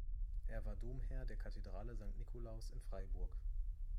Er war Domherr der Kathedrale Sankt Nikolaus in Freiburg.